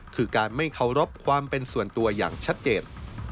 คือการไม่เคารพความเป็นส่วนตัวอย่างชัดเจน